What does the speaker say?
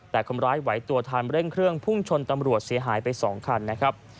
แต่คนร้ายไหวตัวทันเร่งเครื่องพุ่งชนตำรวจเสียหายไป๒คันนะครับ